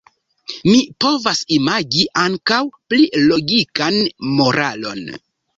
Mi povas imagi ankoraŭ pli logikan moralon.